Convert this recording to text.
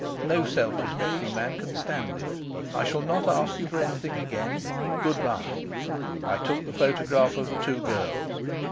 No self respecting man can stand it. I shall not ask you for anything again. Good bye. I took the photograph of the two girls.